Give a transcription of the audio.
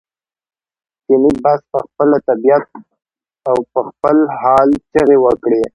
چیني بس په خپله طبعیت او په خپل حال چغې وکړې.